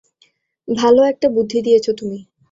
ভালো একটা বুদ্ধি দিয়েছ তুমি।